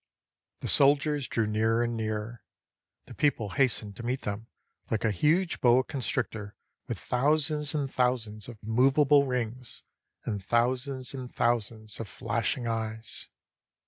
The soldiers drew nearer and nearer; the people has tened to meet them like a huge boa constrictor with thousands and thousands of movable rings and thou sands and thousands of flashing eyes.